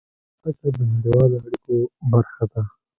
الوتکه د نړیوالو اړیکو برخه ده.